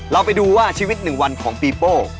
เราไปดูว่าชีวิต๑วันของปีโป้